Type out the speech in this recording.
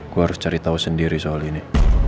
gue harus cari tahu sendiri soal ini